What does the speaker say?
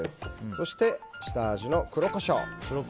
そして、下味の黒コショウ。